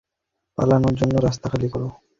পালানোর জন্য রাস্তা খালি কর।